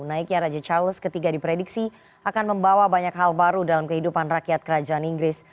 naiknya raja charles iii diprediksi akan membawa banyak hal baru dalam kehidupan rakyat kerajaan inggris